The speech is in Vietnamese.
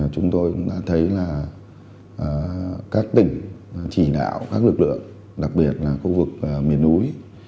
chúng tôi cũng đã thấy là các tỉnh chỉ đạo các lực lượng đặc biệt là khu vực miền núi